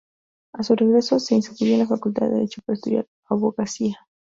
A su regreso, se inscribió en la Facultad de Derecho para estudiar abogacía.